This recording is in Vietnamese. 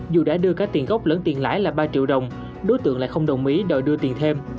dù đã đưa các tiền gốc lẫn tiền lãi là ba triệu đồng đối tượng lại không đồng ý đòi đưa tiền thêm